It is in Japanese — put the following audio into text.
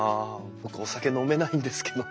僕お酒飲めないんですけどね。